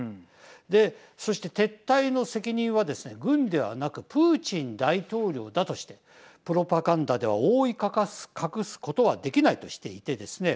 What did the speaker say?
で、そして撤退の責任はですね軍ではなくプーチン大統領だとしてプロパガンダでは覆い隠すことはできないとしていてですね